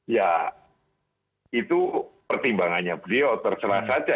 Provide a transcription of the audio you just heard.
ya itu pertimbangannya beliau terserah saja